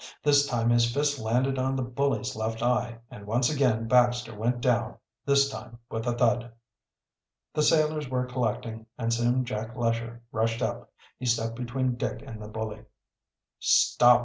This time his fist landed on the bully's left eye, and once again Baxter went down, this time with a thud. The sailors were collecting, and soon Jack Lesher rushed up. He stepped between Dick and the bully. "Stop it!"